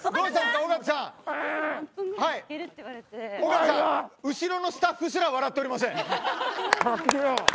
尾形さん後ろのスタッフすら笑っておりません。